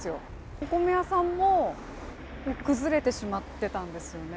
お米屋さんも崩れてしまってたんですよね。